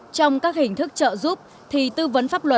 trong các hình thức trợ giúp thì tư vấn pháp luật